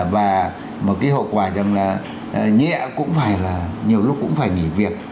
và một cái hậu quả rằng là nhẹ cũng phải là nhiều lúc cũng phải nghỉ việc